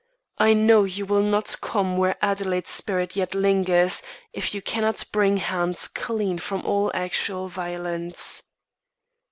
I know you will not come where Adelaide's spirit yet lingers, if you cannot bring hands clean from all actual violence."